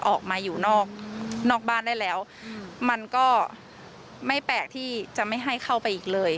ออกมาอยู่นอกบ้านได้แล้วมันก็ไม่แปลกที่จะไม่ให้เข้าไปอีกเลย